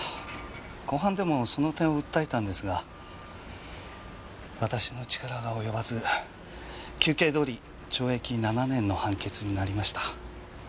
公判でもその点を訴えたんですが私の力が及ばず求刑どおり懲役７年の判決になりました。